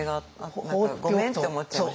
何かごめんって思っちゃいました。